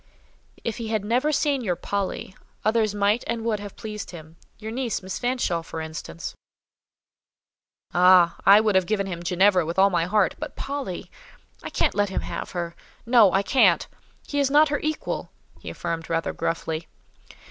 "If he had never seen your 'Polly,' others might and would have pleased him—your niece, Miss Fanshawe, for instance." "Ah! I would have given him Ginevra with all my heart; but Polly!—I can't let him have her. No—I can't. He is not her equal," he affirmed, rather gruffly.